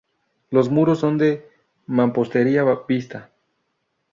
Los muros son de mampostería vista.